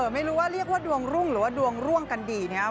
ไม่รู้ว่าเรียกว่าดวงรุ่งหรือว่าดวงร่วงกันดีนะครับ